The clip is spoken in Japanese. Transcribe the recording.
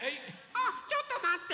あっちょっとまって。